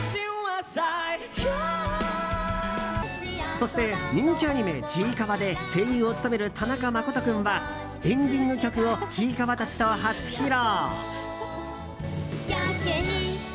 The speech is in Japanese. そして人気アニメ「ちいかわ」で声優を務める田中誠人君はエンディング曲をちいかわたちと初披露。